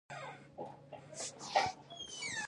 وحشي حیوانات د افغانستان د سیاسي جغرافیه برخه ده.